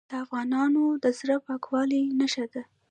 د افغانانو د زړه پاکوالي نښه ده.